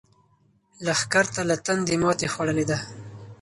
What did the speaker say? لښکر له تندې ماتې خوړلې ده.